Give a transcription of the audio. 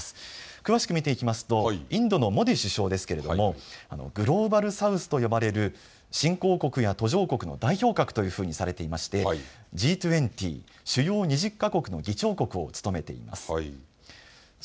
詳しく見ていきますとインドのモディ首相ですがグローバル・サウスと呼ばれる新興国や途上国の代表格というふうにされていましてＧ２０・主要２０か国の議長国を務めています。